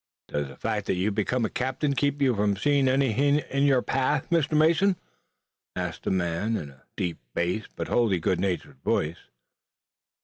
"Does the fact that you've become a captain keep you from seeing anything in your path, Mr. Mason?" asked the man in a deep bass, but wholly good natured voice.